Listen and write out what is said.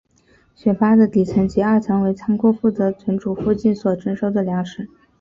雪巴的底层及二层为仓库负责存储附近所征收的粮食。